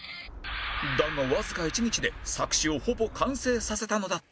だがわずか１日で作詞をほぼ完成させたのだった